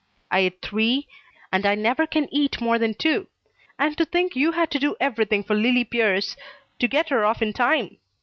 I et three, and I never can eat more than two. And to think you had to do everything for Lillie Pierce, to get her off in time!